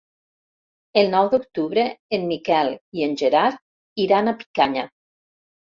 El nou d'octubre en Miquel i en Gerard iran a Picanya.